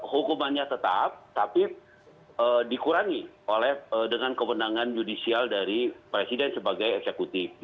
hukumannya tetap tapi dikurangi oleh dengan kewenangan judicial dari presiden sebagai eksekutif